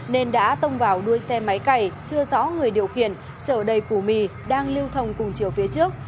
nên đã tông vào đuôi xe máy cày chưa rõ người điều khiển trở đầy củ mì đang lưu thông cùng chiều phía trước